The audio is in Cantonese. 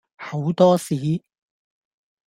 厚多士